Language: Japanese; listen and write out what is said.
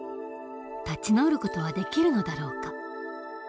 立ち直る事はできるのだろうか？